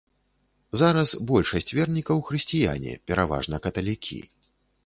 Зараз большасць вернікаў хрысціяне, пераважна каталікі.